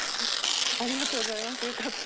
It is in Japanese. ありがとうございますよかった。